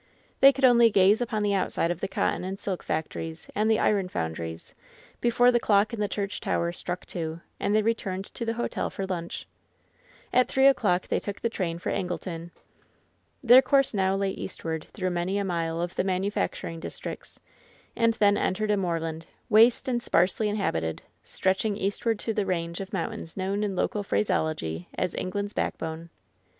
They could only gaze upon the outside of the cotton and silk factories and the iron foundries before the clock in the church tower struck two, and they returned to the hotel for lunch. ' At three o'clock they took the train for Angleton. Their course now lay eastward through many a mile of the manufacturing districts, and then entered a moor land, waste and sparsely inhabited, stretching eastward to the range of mountains known in local phraseology as "England's Backbone."